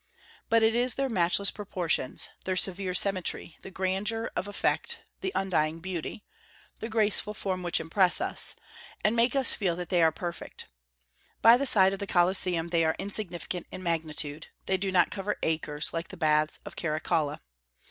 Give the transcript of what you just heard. But it is their matchless proportions, their severe symmetry, the grandeur of effect, the undying beauty, the graceful form which impress us, and make us feel that they are perfect. By the side of the Colosseum they are insignificant in magnitude; they do not cover acres, like the baths of Caracalla.